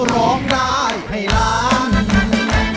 ร้องได้ให้ล้าน